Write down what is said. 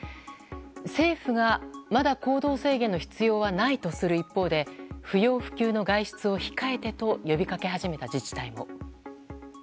政府がまだ行動制限の必要はないとする一方で不要不急の外出を控えてと呼びかけ始めた自治体も。